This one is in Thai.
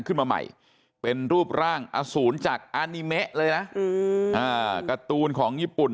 ขึ้นมาใหม่เป็นรูปร่างอสูรจากอานิเมะเลยนะการ์ตูนของญี่ปุ่น